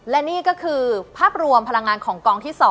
และนี่ก็คือภาพรวมพลังงานของกองที่๒